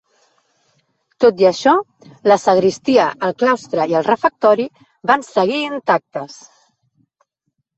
Tot i això, la sagristia, el claustre i el refectori van seguir intactes.